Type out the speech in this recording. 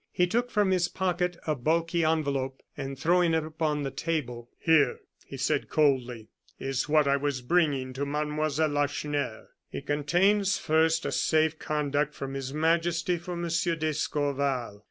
He took from his pocket a bulky envelope, and throwing it upon the table: "Here," he said coldly, "is what I was bringing to Mademoiselle Lacheneur. It contains first a safe conduct from His Majesty for Monsieur d'Escorval.